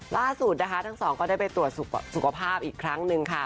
ล่าสุดนะคะทั้งสองก็ได้ไปตรวจสุขภาพอีกครั้งหนึ่งค่ะ